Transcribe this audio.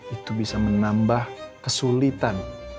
itu bisa menambah kesulitan